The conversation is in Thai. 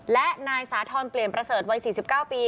และนายสาธรณ์เปลี่ยนประเสริฐวัย๔๙ปี